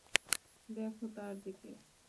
দেখ তার দিকে।